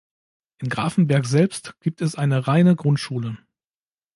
In Grafenberg selbst gibt es eine reine Grundschule.